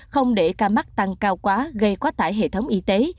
không để ca mắc tăng cao quá gây quá tải hệ thống y tế